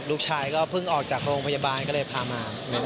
ลูกชายก็เพิ่งออกจากโรงพยาบาลก็เลยพามา